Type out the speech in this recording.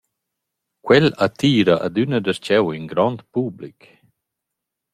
Quel attira adüna darcheu ün grond public.